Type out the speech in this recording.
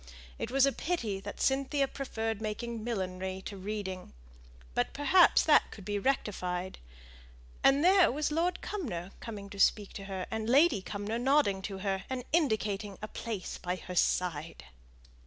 It was a pity that Cynthia preferred making millinery to reading; but perhaps that could be rectified. And there was Lord Cumnor coming to speak to her, and Lady Cumnor nodding to her, and indicating a place by her side.